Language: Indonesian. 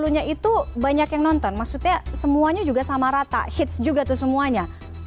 dua puluh dua puluh nya itu banyak yang nonton maksudnya semuanya juga sama rata hits juga tuh semuanya